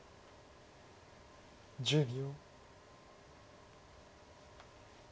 １０秒。